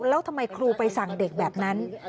แล้วทำไมครูไปสั่งเด็กแบบนั้น